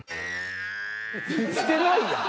してないやん。